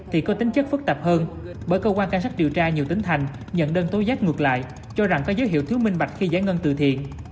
thì có tính chất phức tạp hơn bởi cơ quan cảnh sát điều tra nhiều tỉnh thành nhận đơn tối giác ngược lại cho rằng có dấu hiệu thiếu minh bạch khi giải ngân từ thiện